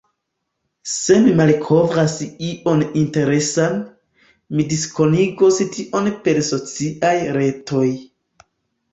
Se mi malkovras ion interesan, mi diskonigos tion per sociaj retoj.